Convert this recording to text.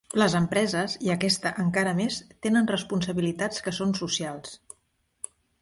Les empreses, i aquesta encara més, tenen responsabilitats que són socials.